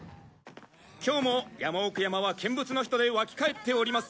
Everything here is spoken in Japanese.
今日も矢麻奥山は見物の人で沸き返っております。